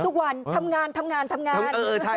ทำทุกวันทำงานทำงานทำงาน